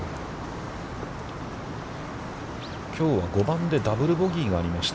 きょうは５番でダブル・ボギーがありました。